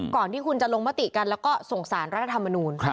ก่อนที่คุณจะลงมติกันแล้วก็ส่งสารรัฐธรรมนูล